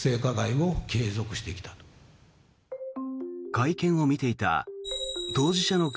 会見を見ていた当事者の会